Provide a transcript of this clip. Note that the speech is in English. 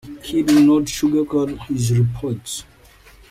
He did not sugar-coat his reports.